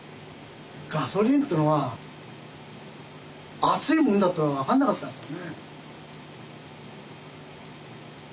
ガソリンっていうのは熱いもんだっていうのが分かんなかったんですよね。